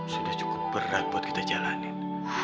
sudah cukup berat buat kita jalanin